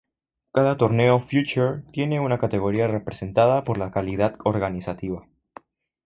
Cada torneo Future tiene una categoría representada por la calidad organizativa.